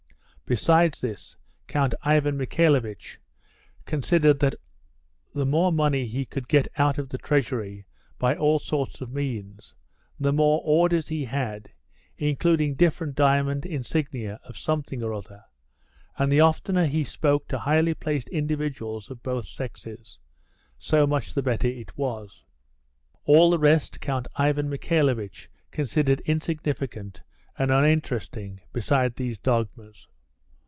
Besides this, Count Ivan Michaelovitch considered that the more money he could get out of the treasury by all sorts of means, the more orders he had, including different diamond insignia of something or other, and the oftener he spoke to highly placed individuals of both sexes, so much the better it was. All the rest Count Ivan Michaelovitch considered insignificant and uninteresting beside these dogmas.